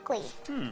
うん。